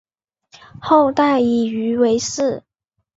后代以鱼为氏。